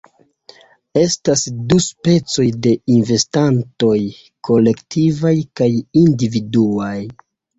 Estas du specoj de investantoj: kolektivaj kaj individuaj.